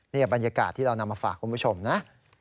นี่บรรยากาศที่เรานำมาฝากคุณผู้ชมนะ